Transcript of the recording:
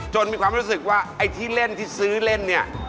มีความรู้สึกว่าไอ้ที่เล่นที่ซื้อเล่นเนี่ย